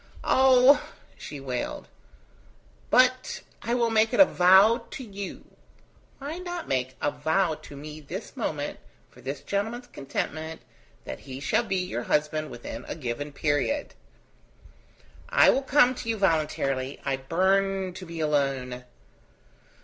"Oh!" she wailed. "But I will make it a vow to you." "Why not make it a vow to me this moment, for this gentleman's contentment, that he shall be your husband within a given period?" "I will come to you voluntarily. I burn to be alone."